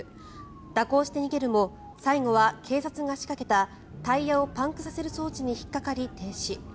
蛇行して逃げるも最後は、警察が仕掛けたタイヤをパンクさせる装置に引っかかり、停止。